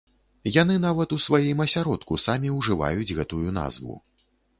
Яны нават у сваім асяродку самі ўжываюць гэтую назву.